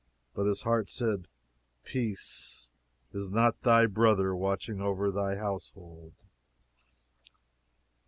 But his heart said, Peace, is not thy brother watching over thy household?